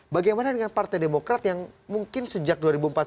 bagaimana dengan partai demokrat yang mungkin sejak dua ribu empat belas